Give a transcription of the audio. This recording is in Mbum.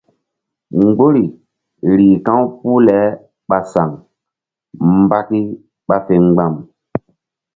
Mgbori rih ka̧w puh le ɓa saŋ mbaki ɓa fe mgba̧m.